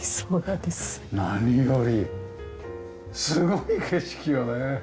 すごい景色よね。